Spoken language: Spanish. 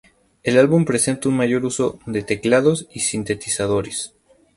El álbum presenta un mayor uso de teclados y sintetizadores.